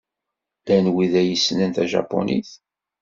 Llan wid ay yessnen tajapunit?